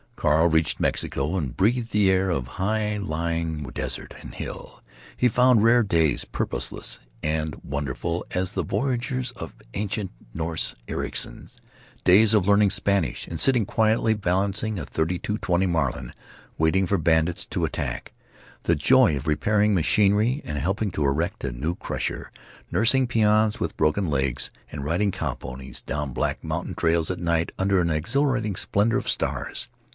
Carl reached Mexico and breathed the air of high lying desert and hill. He found rare days, purposeless and wonderful as the voyages of ancient Norse Ericsens; days of learning Spanish and sitting quietly balancing a .32 20 Marlin, waiting for bandits to attack; the joy of repairing machinery and helping to erect a new crusher, nursing peons with broken legs, and riding cow ponies down black mountain trails at night under an exhilarating splendor of stars.